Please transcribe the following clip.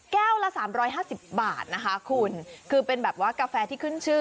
แก้วละ๓๕๐บาทคุณคือเป็นแบบว่ากาแฟที่ขึ้นชื่อ